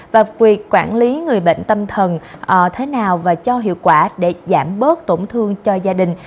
và việc quản lý người bệnh tâm thần thế nào và cho hiệu quả để giảm bớt tổn thương cho gia đình